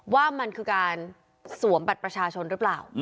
ว่ามันคือการสวมบัตรประชาชนหรือเปล่า